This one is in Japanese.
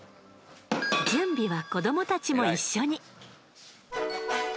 準備は子どもたちも一緒に。